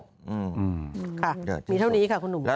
เดี๋ยวจีนครับมีเท่านี้ค่ะคุณหนู